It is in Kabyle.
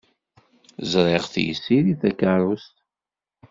Ẓriɣ-t yessirid takeṛṛust.